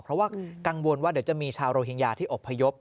เพราะว่ากังวลว่าเดี๋ยวจะมีชาวโรฮิงญาที่อบพยพ